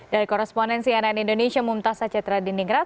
dari korrespondensi ann indonesia mumtaz sacetra dindingrat